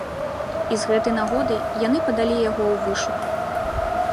І з гэтай нагодай яны падалі яго ў вышук.